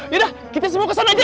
yaudah kita semua kesana aja